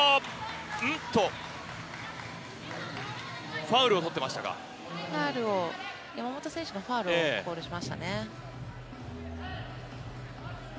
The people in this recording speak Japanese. んっと、ファウルを、山本選手のファウルをコールしましたね。